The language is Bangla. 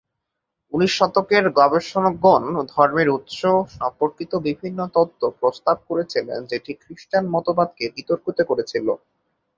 উনিশ শতকের গবেষকগণ ধর্মের উৎস সম্পর্কিত বিভিন্ন তত্ত্ব প্রস্তাব করেছিলেন, যেটি খ্রিস্টান মতবাদকে বিতর্কিত করেছিলো।